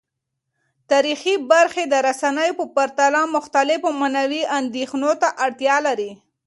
تاریخي برخې د رسنیو په پرتله مختلفو معنوي اندیښنو ته اړتیا لري.